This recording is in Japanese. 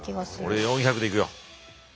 俺４００でいくよ！